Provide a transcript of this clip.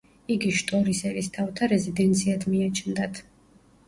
იგი შტორის ერისთავთა რეზიდენციად მიაჩნდათ.